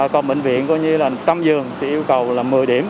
còn bệnh viện gọi như là một trăm linh giường thì yêu cầu là một mươi điểm